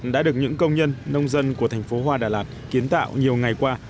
đã được những công nhân nông dân của thành phố hoa đà lạt kiến tạo nhiều ngày qua